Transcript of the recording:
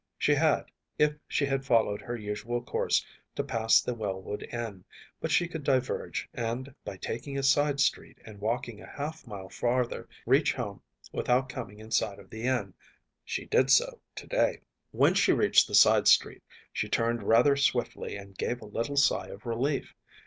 She had, if she followed her usual course, to pass the Wellwood Inn, but she could diverge, and by taking a side street and walking a half mile farther reach home without coming in sight of the inn. She did so to day. When she reached the side street she turned rather swiftly and gave a little sigh of relief.